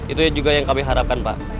itu juga yang kami harapkan pak